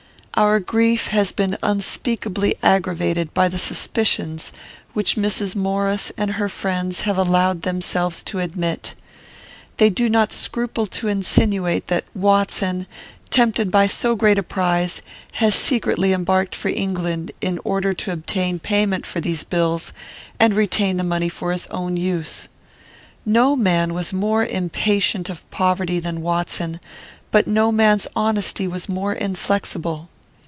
"'Our grief has been unspeakably aggravated by the suspicions which Mrs. Maurice and her friends have allowed themselves to admit. They do not scruple to insinuate that Watson, tempted by so great a prize, has secretly embarked for England, in order to obtain payment for these bills and retain the money for his own use. "'No man was more impatient of poverty than Watson, but no man's honesty was more inflexible.